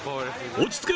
落ち着け！